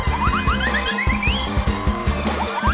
เสร็จแล้ว